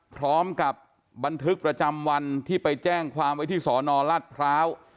พร้อมกับบันทึกประจำวันที่ไปแจ้งความไว้ที่สอนอรัฐพร้าว